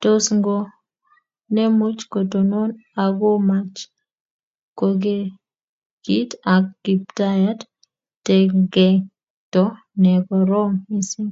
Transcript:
Tos ngo nemuch kotonon akomach kokerekit ak Kiptayat? Tengengto ne koroom mising.